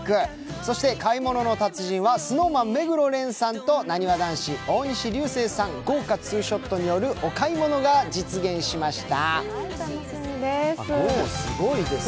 そして「買い物の達人」はＳｎｏｗＭａｎ・目黒蓮さんとなにわ男子・大西流星さん、豪華ツーショットによるお買い物が実現しました。